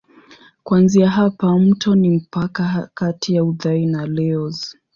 Kuanzia hapa mto ni mpaka kati ya Uthai na Laos.